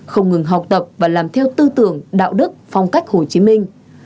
không ngừng học tập và làm theo tư tưởng đạo đức phong cách hồ chí minh